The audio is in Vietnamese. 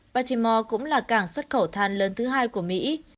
patimo cũng là cảng xuất khẩu than lớn thứ hai của mỹ